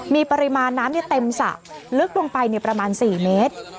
มีปริมาณน้ำเต็มสระลึกลงไปประมาณ๔เมตร